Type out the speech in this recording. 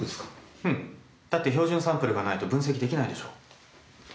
うんだって標準サンプルがないと分析できないでしょ。